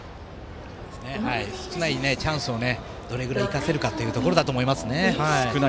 少ないチャンスをどれくらい生かせるかというところだと思います。